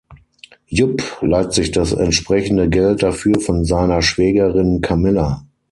Jupp leiht sich das entsprechende Geld dafür von seiner Schwägerin Camilla.